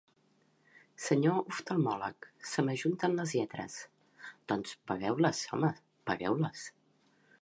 -Senyor oftalmòleg, se m'ajunten les lletres. -Doncs, pagueu-les, home, pagueu-les.